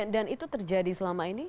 dan itu terjadi selama ini